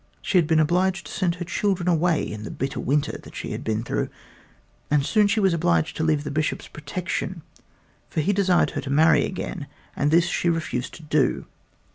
She had been obliged to send her children away in the bitter winter that she had been through, and soon she was obliged to leave the Bishop's protection, for he desired her to marry again, and this she refused to do.